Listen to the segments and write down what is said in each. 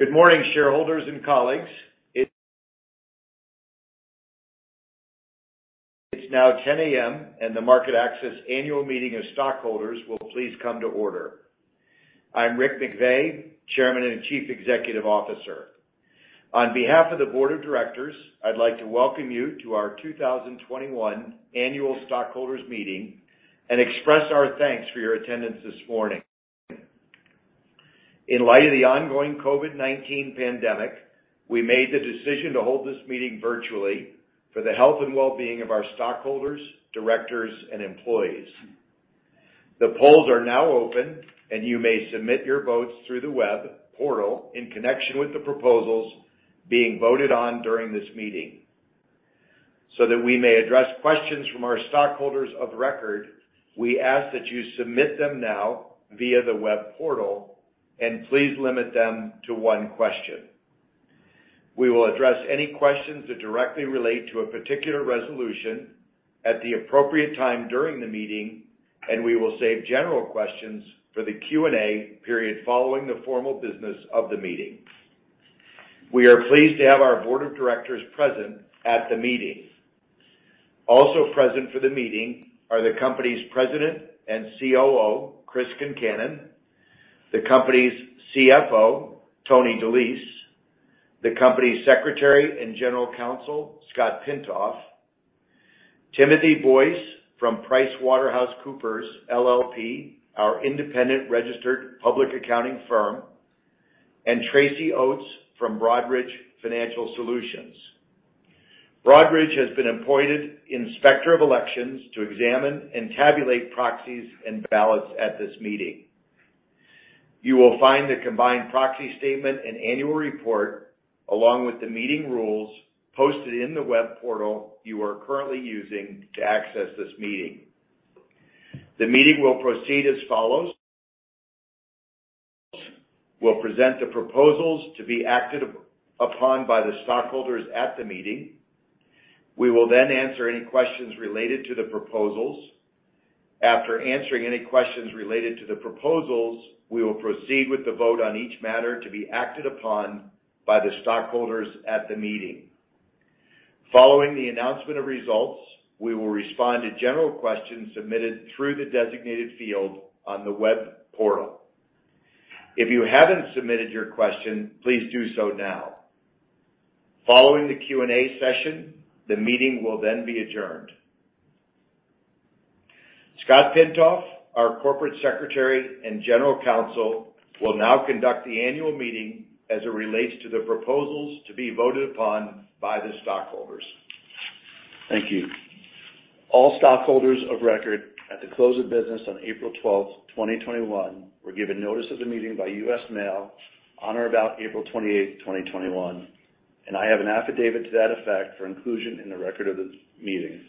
Good morning, shareholders and colleagues. It's now 10:00 A.M. and the MarketAxess Annual Meeting of Stockholders will please come to order. I'm Rick McVey, Chairman and Chief Executive Officer. On behalf of the Board of Directors, I'd like to welcome you to our 2021 Annual Stockholders Meeting and express our thanks for your attendance this morning. In light of the ongoing COVID-19 pandemic, we made the decision to hold this meeting virtually for the health and well-being of our stockholders, directors, and employees. The polls are now open, and you may submit your votes through the web portal in connection with the proposals being voted on during this meeting. That we may address questions from our stockholders of record, we ask that you submit them now via the web portal, and please limit them to one question. We will address any questions that directly relate to a particular resolution at the appropriate time during the meeting, and we will save general questions for the Q&A period following the formal business of the meeting. We are pleased to have our board of directors present at the meeting. Also present for the meeting are the company's President and COO, Chris Concannon, the company's CFO, Tony DeLise, the company's Secretary and General Counsel, Scott Pintoff, Timothy Boyce from PricewaterhouseCoopers LLP, our independent registered public accounting firm, and Tracy Oates from Broadridge Financial Solutions. Broadridge has been appointed Inspector of Elections to examine and tabulate proxies and ballots at this meeting. You will find the combined proxy statement and annual report, along with the meeting rules, posted in the web portal you are currently using to access this meeting. The meeting will proceed as follows: We'll present the proposals to be acted upon by the stockholders at the meeting. We will then answer any questions related to the proposals. After answering any questions related to the proposals, we will proceed with the vote on each matter to be acted upon by the stockholders at the meeting. Following the announcement of results, we will respond to general questions submitted through the designated field on the web portal. If you haven't submitted your question, please do so now. Following the Q&A session, the meeting will then be adjourned. Scott Pintoff, our Corporate Secretary and General Counsel, will now conduct the annual meeting as it relates to the proposals to be voted upon by the stockholders. Thank you. All stockholders of record at the close of business on April 12th, 2021, were given notice of the meeting by U.S. Mail on or about April 28th, 2021, and I have an affidavit to that effect for inclusion in the record of this meeting.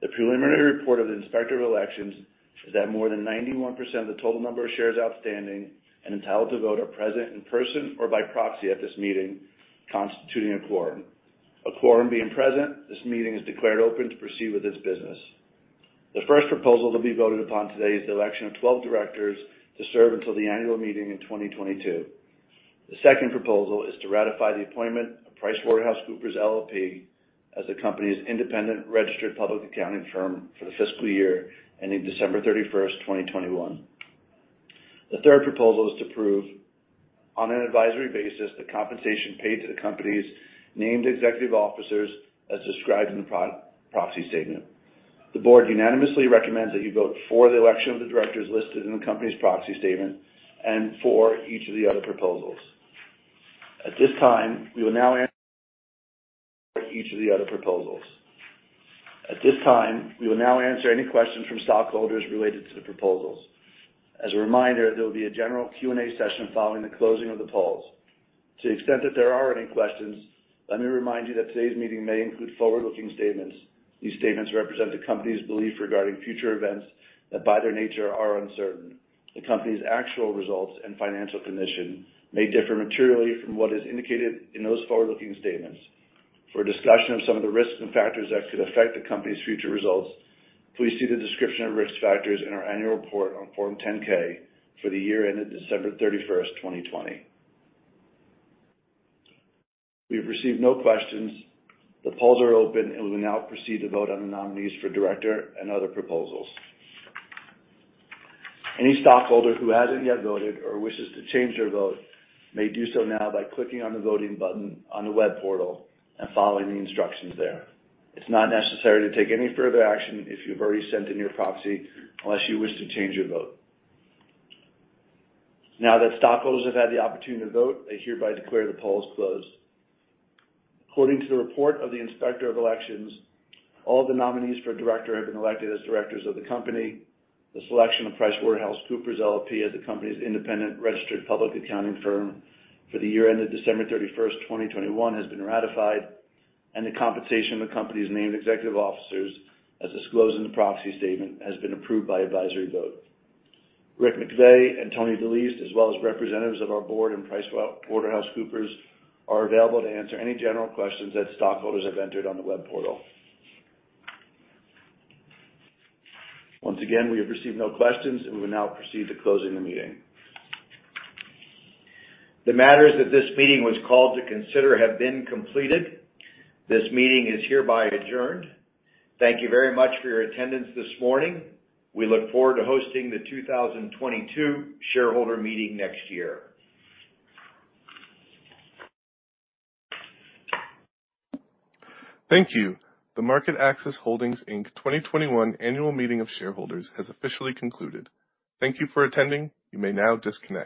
The preliminary report of the Inspector of Elections is that more than 91% of the total number of shares outstanding and entitled to vote are present in person or by proxy at this meeting, constituting a quorum. A quorum being present, this meeting is declared open to proceed with its business. The first proposal to be voted upon today is the election of 12 directors to serve until the annual meeting in 2022. The second proposal is to ratify the appointment of PricewaterhouseCoopers LLP as the company's independent registered public accounting firm for the fiscal year ending December 31st, 2021. The third proposal is to approve, on an advisory basis, the compensation paid to the company's named executive officers as described in the proxy statement. The board unanimously recommends that you vote for the election of the directors listed in the company's proxy statement and for each of the other proposals. At this time, we will now answer any questions from stockholders related to the proposals. As a reminder, there will be a general Q&A session following the closing of the polls. To the extent that there are any questions, let me remind you that today's meeting may include forward-looking statements. These statements represent the company's belief regarding future events that, by their nature, are uncertain. The company's actual results and financial condition may differ materially from what is indicated in those forward-looking statements. For a discussion of some of the risks and factors that could affect the company's future results, please see the description of risk factors in our annual report on Form 10-K for the year ended December 31st, 2020. We've received no questions. The polls are open, and we'll now proceed to vote on the nominees for director and other proposals. Any stockholder who hasn't yet voted or wishes to change their vote may do so now by clicking on the voting button on the web portal and following the instructions there. It's not necessary to take any further action if you've already sent in your proxy, unless you wish to change your vote. Now that stockholders have had the opportunity to vote, I hereby declare the polls closed. According to the report of the Inspector of Elections, all the nominees for director have been elected as directors of the company. The selection of PricewaterhouseCoopers LLP as the company's independent registered public accounting firm for the year ended December 31st, 2021, has been ratified. The compensation of the company's named executive officers, as disclosed in the proxy statement, has been approved by advisory vote. Rick McVey and Tony DeLise, as well as representatives of our board and PricewaterhouseCoopers, are available to answer any general questions that stockholders have entered on the web portal. Once again, we have received no questions, and we now proceed to closing the meeting. The matters that this meeting was called to consider have been completed. This meeting is hereby adjourned. Thank you very much for your attendance this morning. We look forward to hosting the 2022 shareholder meeting next year. Thank you. The MarketAxess Holdings Inc. 2021 Annual Meeting of Shareholders has officially concluded. Thank you for attending. You may now disconnect.